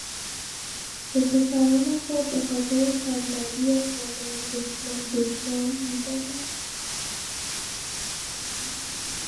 به پسران خود به خاطر تنبلی آنان دشنام میداد.